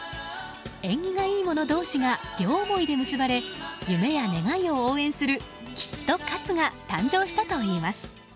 縁起が良いもの同士が両思いで結ばれ夢や願いを応援するキットカツが誕生したといいます。